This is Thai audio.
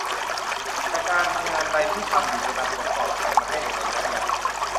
แต่การงานใดที่ทำอยู่จะนำผลตอบแทนมาให้ในระยะยาว